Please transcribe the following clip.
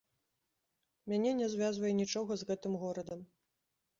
Мяне не звязвае нічога з гэтым горадам.